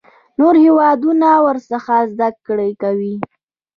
نور هیوادونه ورڅخه زده کړه کوي.